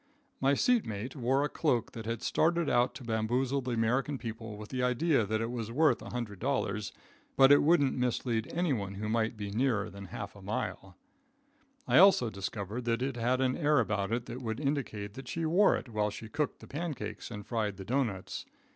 My seat mate wore a cloak that had started out to bamboozle the American people with the idea that it was worth $100, but it wouldn't mislead anyone who might be nearer than half a mile. I also discovered, that it had an air about it that would indicate that she wore it while she cooked the pancakes and fried the doughnuts.